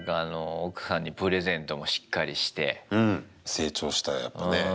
成長した、やっぱね。